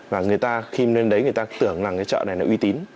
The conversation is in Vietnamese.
và người ta khi lên đấy người ta tưởng rằng cái chợ này là uy tín